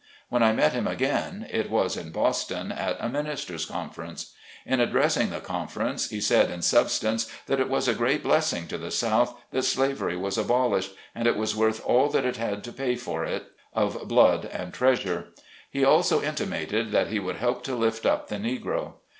When I met him again, it was in Boston, at a minister's conference. In addressing the confer ence, he said in substance, that it was a great bless ing to the South that slavery was abolished, and it was worth all it had to pay for it, of blood and treas ure. He also intimated that he would help to lift up the Negro.